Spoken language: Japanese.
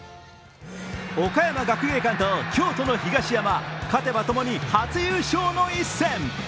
岡山学芸館と京都の東山、勝てばともに初優勝の一戦。